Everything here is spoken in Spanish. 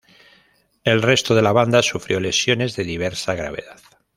El resto de la banda sufrió lesiones de diversa gravedad.